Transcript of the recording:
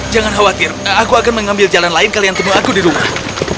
jangan khawatir aku akan mengambil jalan lain kalian temu aku di rumah